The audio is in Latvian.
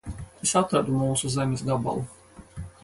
Es atradu mūsu zemes gabalu.